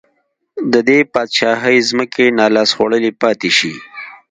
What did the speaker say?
د دې پاچاهۍ ځمکې نا لاس خوړلې پاتې شي.